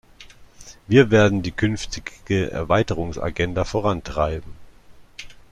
Wir werden die künftige Erweiterungsagenda vorantreiben.